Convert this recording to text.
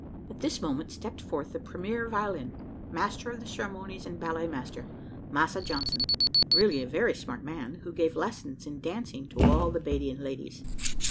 At this moment stepped forth the premier violin, master of the ceremonies and ballet master, Massa Johnson, really a very smart man, who gave lessons in dancing to all the "'Badian ladies."